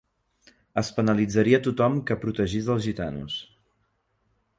Es penalitzaria tothom que protegís els gitanos.